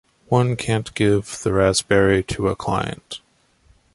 One can't give the raspberry to a client.